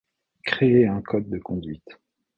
Créer un code de conduite.